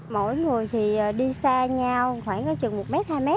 mỗi người đi xa nhau khoảng một m hai m